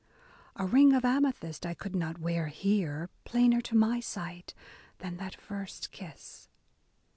A ring of amethyst I could not wear here, plainer to my sight. Than that first kiss.